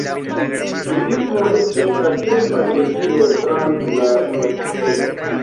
Budhismo estis la ĉefa religio trans la duoninsulo.